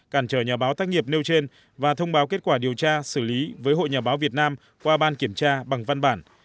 cản trở nhà báo tác nghiệp nêu trên và thông báo kết quả điều tra xử lý với hội nhà báo việt nam qua ban kiểm tra bằng văn bản